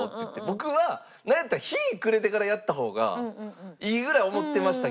僕はなんやったら日暮れてからやった方がいいぐらいに思ってましたけど。